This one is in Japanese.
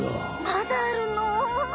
まだあるの？